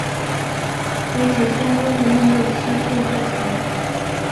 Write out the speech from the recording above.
可使双方的蜜月期并不长。